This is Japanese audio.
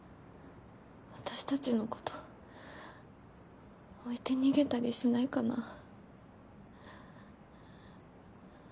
私たちのこと置いて逃げたりしないかな？